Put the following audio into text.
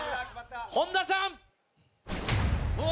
本田さん。